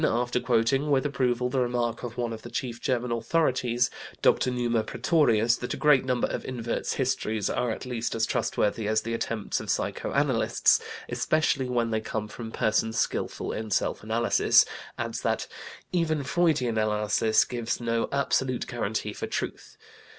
619), after quoting with approval the remark of one of the chief German authorities, Dr. Numa Praetorius, that "a great number of inverts' histories are at the least as trustworthy as the attempts of psychoanalysts, especially when they come from persons skillful in self analysis," adds that "even Freudian analysis gives no absolute guarantee for truth.